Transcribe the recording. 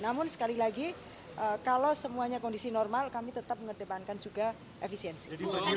namun sekali lagi kalau semuanya kondisi normal kami tetap mengedepankan juga efisiensi